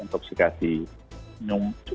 yang dapat menyebabkan intoxikasi